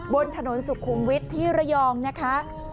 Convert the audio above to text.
บนถนนสุขุมวิทย์ที่ระยองนะคะ